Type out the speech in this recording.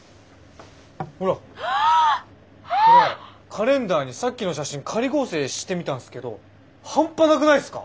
カレンダーにさっきの写真仮合成してみたんすけど半端なくないすか。